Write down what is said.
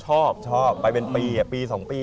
ชอบชอบไปเป็นปีปี๒ปี